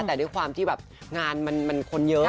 แต่ด้วยความที่แบบงานมันคนเยอะ